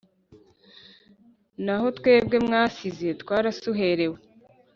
naho twebwe mwasize twarasuherewe